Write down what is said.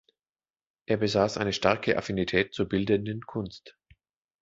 Er besaß eine starke Affinität zur bildenden Kunst.